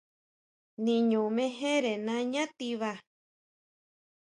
Niño mejere nañá tiba.